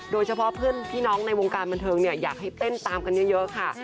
โดยเฉพาะเพื่อนพี่น้องในวงการบันเทิงเนี่ยอยากให้เต้นตามกันเยอะค่ะ